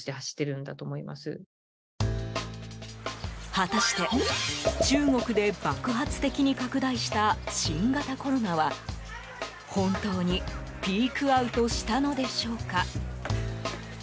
果たして、中国で爆発的に拡大した新型コロナは本当にピークアウトしたのでしょうか？